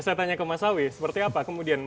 saya tanya ke masawi seperti apa kemudian